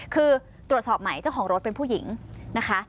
คือตรวจสอบใหม่เจ้าของรถเป็นผู้หญิงนะคะ